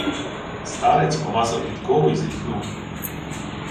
Старець помацав підкову й зітхнув: